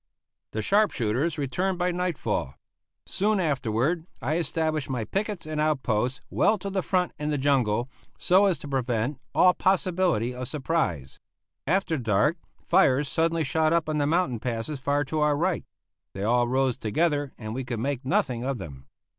The sharp shooters returned by nightfall. Soon afterward I established my pickets and outposts well to the front in the jungle, so as to prevent all possibility of surprise. After dark, fires suddenly shot up on the mountain passes far to our right. They all rose together and we could make nothing of them.